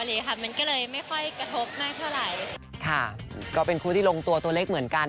มันก็เลยไม่ค่อยกระทบมากเท่าไหร่ค่ะก็เป็นคู่ที่ลงตัวตัวเล็กเหมือนกัน